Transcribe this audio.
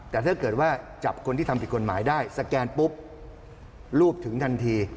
แต่ถ้าเกิดว่าจับคนที่ทำผิดกฎหมายได้สแกนปุ๊บรูปถึงทันที